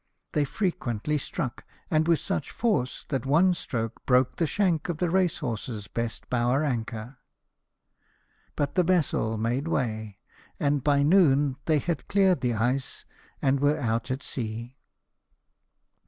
They fre quently struck, and with such force, that one stroke broke the shank of the Racehorses best bower anchor; but the vessels made way, and by noon they had cleared the ice, and were out at sea.